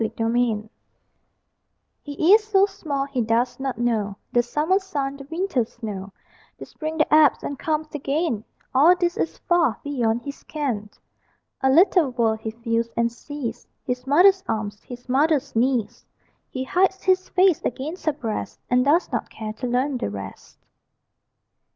SIX WEEKS OLD He is so small, he does not know The summer sun, the winter snow; The spring that ebbs and comes again, All this is far beyond his ken. A little world he feels and sees: His mother's arms, his mother's knees; He hides his face against her breast, And does not care to learn the rest.